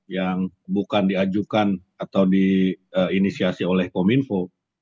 yang bukan diajukan atau diinisiasi oleh kominfo